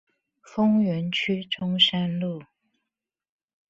豐原區中山路